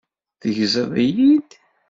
Tegziḍ-iyi-d?